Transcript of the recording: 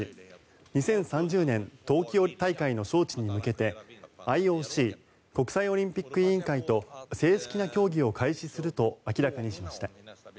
２０３０年冬季大会の招致に向けてＩＯＣ・国際オリンピック委員会と正式な協議を開始すると明らかにしました。